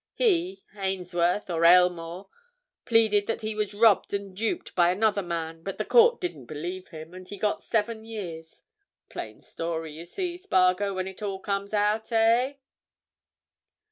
He—Ainsworth, or Aylmore—pleaded that he was robbed and duped by another man, but the court didn't believe him, and he got seven years. Plain story you see, Spargo, when it all comes out, eh?"